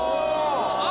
あ！